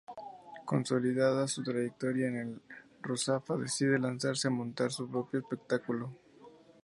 Consolidada su trayectoria en el Ruzafa decide lanzarse a montar su propio espectáculo.